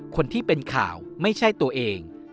คนที่เป็นข่าวไม่ใช่ตัวเอง